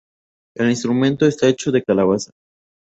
El instrumento está hecho de calabaza.